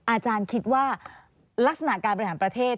อาจารย์คิดว่าลักษณะการบริหารประเทศ